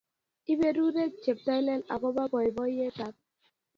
Iberurech cheptailel ago boiboiyetab